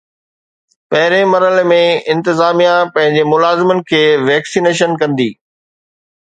پهرين مرحلي ۾ انتظاميا پنهنجي ملازمن کي ويڪسينيشن ڪندي